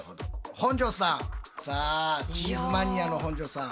本上さんさあチーズマニアの本上さん。